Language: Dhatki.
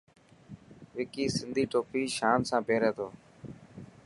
وڪي سڌي ٽوپي شان سان پيري ٿو.